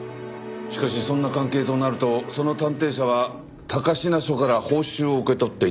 しかしそんな関係となるとその探偵社は高階署から報酬を受け取っていたという事か？